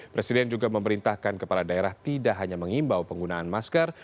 presiden juga memerintahkan kepala daerah tidak hanya mengimbau penggunaan masker